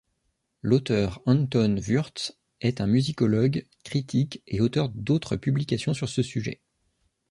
L'auteur Anton Würz est un musicologue, critique et auteur d'autres publications sur ce sujet.